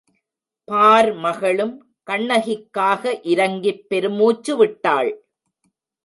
பார்மகளும் கண்ணகிக்காக இரங்கிப் பெருமூச்சு விட்டாள்.